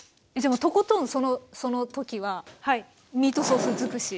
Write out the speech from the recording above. もうとことんその時はミートソース尽くし。